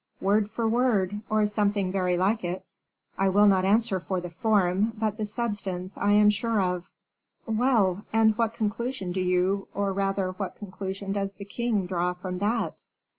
"Word for word or something very like it. I will not answer for the form, but the substance I am sure of." "Well, and what conclusion do you, or rather what conclusion does the king, draw from that?"